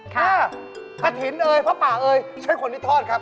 ค่ะภัดถินเอ๊ยพระป่าเอ๊ยใช้คนที่ทอดครับ